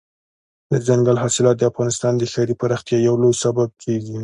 دځنګل حاصلات د افغانستان د ښاري پراختیا یو لوی سبب کېږي.